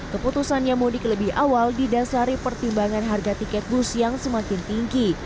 keputusannya mudik lebih awal didasari pertimbangan harga tiket bus yang semakin tinggi